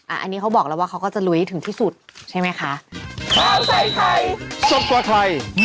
อันนี้เขาบอกแล้วว่าเขาก็จะลุยให้ถึงที่สุดใช่ไหมคะ